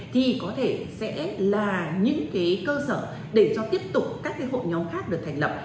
thì có thể sẽ là những cơ sở để cho tiếp tục các hội nhóm khác được thành lập